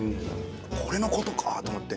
これのことかあと思って。